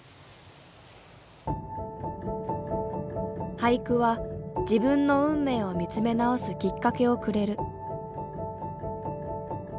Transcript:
俳句は自分の運命を見つめ直すきっかけをくれる。